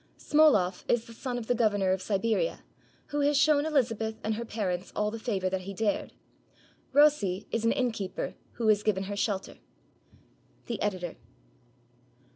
Smoloff is the son of the governor of Siberia, who has shown Elizabeth and her parents all the favor that he dared. Rossi is an innkeeper who has given her shelter. The Editor.